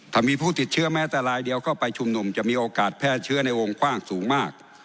ถ้ามีผู้ติดเชื้อแม้แต่รายเดียวเข้าไปชุมนุมจะมีโอกาสแพร่เชื้อในวงกว้างสูงมาก